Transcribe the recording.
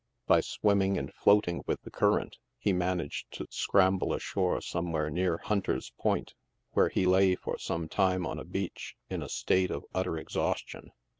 By swimming and floating with the current, he managed to scramble ashore somewhere near Hunter's Point, where he lay for some time on the beach in a state of utter exhaustion.